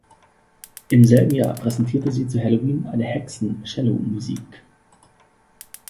Im selben Jahr präsentierte sie zu Halloween eine "Hexen-Cello-Musik".